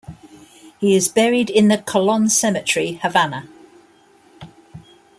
He is buried in the Colon Cemetery, Havana.